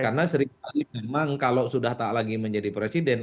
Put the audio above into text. karena sering kali memang kalau sudah tak lagi menjadi presiden